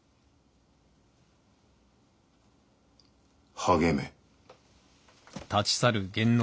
励め。